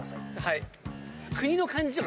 はい。